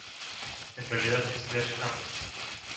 En realidad, "Sledge Hammer!